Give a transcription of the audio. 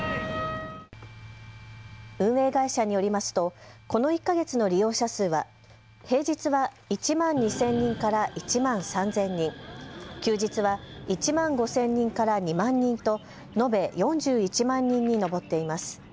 運営会社によりますとこの１か月の利用者数は平日は１万２０００人から１万３０００人、休日は１万５０００人から２万人と延べ４１万人に上っています。